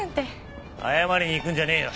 謝りに行くんじゃねえよ！